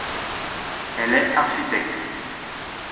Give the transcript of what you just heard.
Elle est architecte.